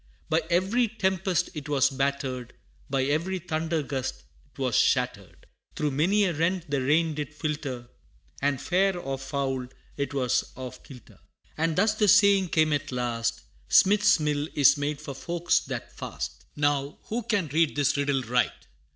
By every tempest it was battered, By every thundergust 'twas shattered; Through many a rent the rain did filter; And, fair or foul, 'twas out of kilter; And thus the saying came at last "Smith's mill is made for folks that fast." Now, who can read this riddle right?